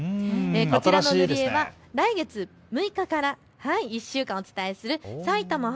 こちらの絵は来月６日から１週間お伝えする埼玉発！